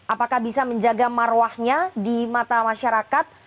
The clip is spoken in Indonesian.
apakah bisa menjaga marwahnya di mata masyarakat